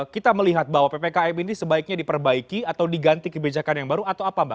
kita melihat bahwa ppkm ini sebaiknya diperbaiki atau diganti kebijakan yang baru atau apa mbak